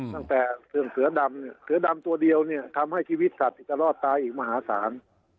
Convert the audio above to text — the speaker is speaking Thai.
ตั้งแต่เกิดทำเพื่อดำตัวเดียวเนี่ยทำให้ชีวิตไปก็ลอดตายอีกมหาศาล